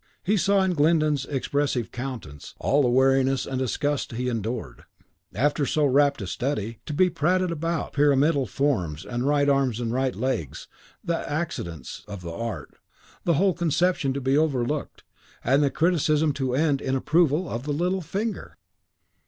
He saw in Glyndon's expressive countenance all the weariness and disgust he endured. After so wrapped a study, to be prated to about pyramidal forms and right arms and right legs, the accidence of the art, the whole conception to be overlooked, and the criticism to end in approval of the little finger!